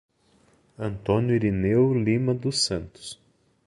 Antônio Irineu Lima dos Santos